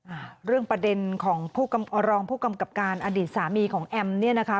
อ่าเรื่องประเด็นของผู้กำรองผู้กำกับการอดีตสามีของแอมเนี่ยนะคะ